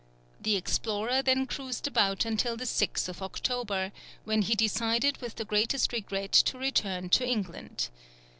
The explorer then cruised about until the 6th October, when he decided with the greatest regret to return to England.